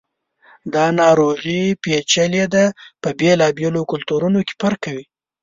دا ناروغي پیچلي ده، په بېلابېلو کلتورونو کې فرق کوي.